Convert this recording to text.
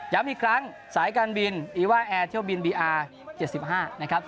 อีกครั้งสายการบินอีว่าแอร์เที่ยวบินบีอาร์๗๕นะครับ